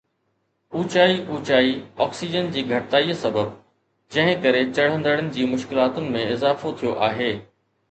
اوچائي اوچائي آڪسيجن جي گھٽتائي سبب. جنهن ڪري چڙهندڙن جي مشڪلاتن ۾ اضافو ٿيو آهي